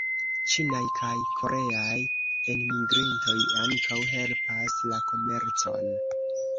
Ĉinaj kaj koreaj enmigrintoj ankaŭ helpas la komercon.